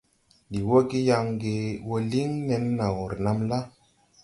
Ndi wɔ ge yaŋ ge wɔ liŋ nen naw renam la.